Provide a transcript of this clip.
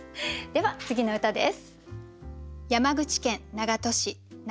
では次の歌です。